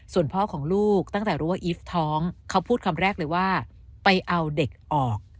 ส่วนพ่อของลูกตั้งแต่รู้ว่าอีฟท้องเขาพูดคำแรกเลยว่าไปเอาเด็กออก